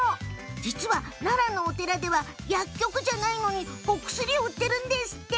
実は奈良のお寺では薬局でもないのにお薬を売っているんですって。